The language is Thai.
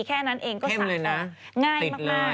แค่นั้นเองก็สะง่ายมาก